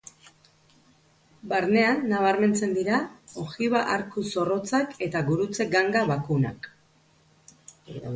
Barnean nabarmentzen dira ogiba-arku zorrotzak eta gurutze ganga bakunak.